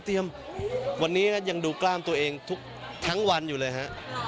เตรียมวันนี้ก็ยังดูกล้ามตัวเองทั้งวันอยู่เลยฮะ